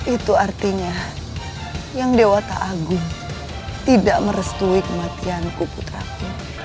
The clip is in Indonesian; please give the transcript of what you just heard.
itu artinya yang dewata agung tidak merestui kematianku putraku